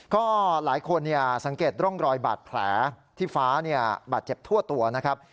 ก็หลายคนสังเกตร่องรอยบาดแผลที่ฟ้าบาดเจ็บทั่วตัวนะครับ